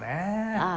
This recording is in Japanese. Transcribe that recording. ああ